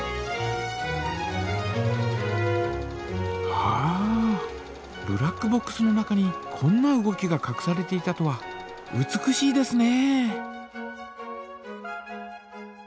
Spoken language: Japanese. はあブラックボックスの中にこんな動きがかくされていたとは美しいですね！